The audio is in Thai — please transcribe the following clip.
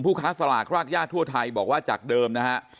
ค้าสลากรากย่าทั่วไทยบอกว่าจากเดิมนะฮะ